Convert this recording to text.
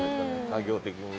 作業的に。